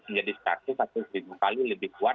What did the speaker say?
menjadi satu lima kali lebih kuat